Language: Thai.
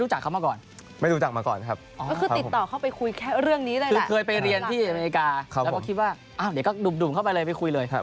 เหลือก็ดูบเข้าไปเลย